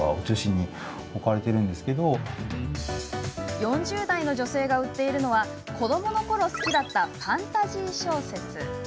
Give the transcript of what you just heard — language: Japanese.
４０代女性が売っているのは子どものころ好きだったファンタジー小説。